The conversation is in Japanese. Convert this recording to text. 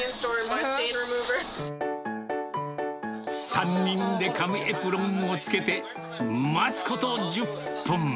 ３人で紙エプロンをつけて、待つこと１０分。